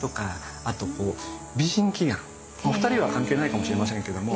現在はお二人は関係ないかもしれませんけども。